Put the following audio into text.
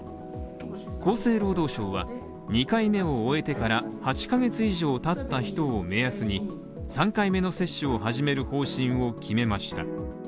厚生労働省は２回目を終えてから８カ月以上たった人を目安に３回目の接種を始める方針を決めました。